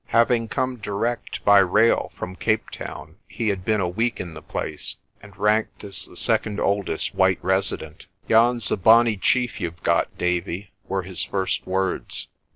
Having come direct by rail from Cape Town, he had been a week in the place, and ranked as the second oldest white resident. "Yon's a bonny chief you've got, Davie," were his first words.